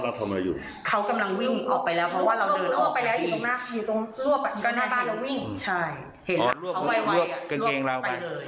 หนูก็เลยบอกว่าอีก๓พวงครั้งที่แล้ว